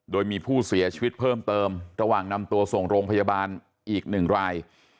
โดยมีผู้เสียชีวิตเพิ่มเติมระหว่างนำตัวส่งโรงพยาบาลอีกหนึ่งราย